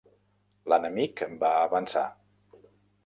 L'enemic va avançar.